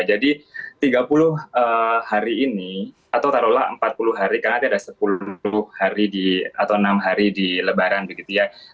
jadi tiga puluh hari ini atau taruhlah empat puluh hari karena ada sepuluh hari atau enam hari di lebaran begitu ya